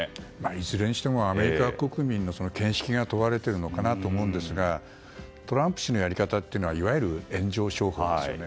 いずれにしてもアメリカ国民の見識が問われているのかなと思うんですがトランプ氏のやり方というのはいわゆる炎上商法ですよね。